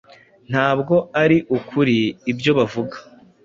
Ntabwo ari ukuri ibyo bavuga